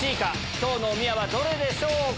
今日のおみやどれでしょうか？